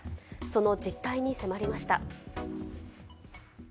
その実態に迫りました。